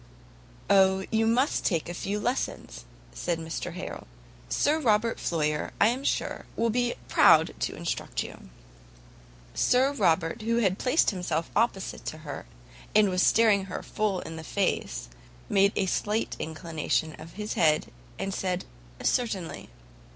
"O, you must take a few lessons," said Mr Harrel, "Sir Robert Floyer, I am sure, will be proud to instruct you." Sir Robert, who had placed himself opposite to her, and was staring full in her face, made a slight inclination of his head, and said, "Certainly."